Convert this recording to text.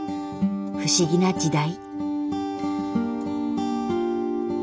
不思議な時代。